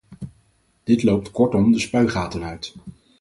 Dit loopt kortom de spuigaten uit.